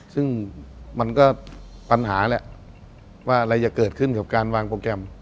ซึ่งมันก็ปัญหาแหละว่าอะไรจะเกิดขึ้นกับการวางโปรแกรม